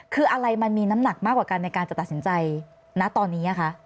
คืออะไรมันมีน้ำหนักมากกว่ากันในการจะตัดสินใจณตอนนี้คะ